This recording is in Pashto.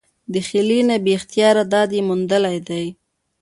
د خلي نه بې اختياره داد ئې موندلے دے ۔